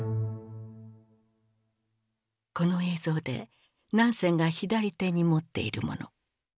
この映像でナンセンが左手に持っているもの。